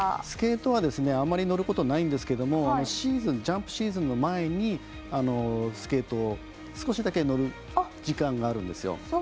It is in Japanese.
スケートはあんまり乗ることないんですがジャンプシーズンの前にスケートを少しだけ乗る時間があるんですよ。